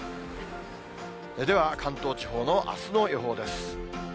では関東地方のあすの予報です。